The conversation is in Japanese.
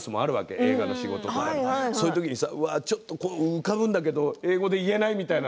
映画の仕事とかちょっと浮かぶんだけど英語で言えないみたいな。